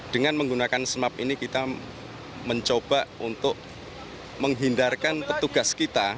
dengan menggunakan smart ini kita mencoba untuk menghindarkan petugas kita